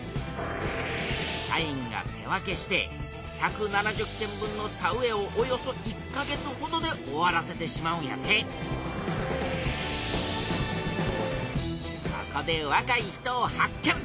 社員が手分けして１７０軒分の田植えをおよそ１か月ほどで終わらせてしまうんやてここでわかい人を発見！